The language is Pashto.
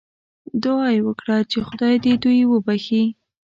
دعا یې وکړه چې خدای دې دوی وبخښي.